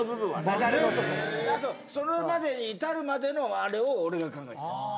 あとそれまでに至るまでのあれを俺が考えてた。